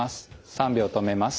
３秒止めます。